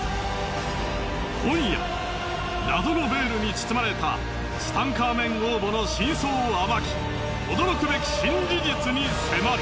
今夜謎のベールに包まれたツタンカーメン王墓の真相を暴き驚くべき新事実に迫る！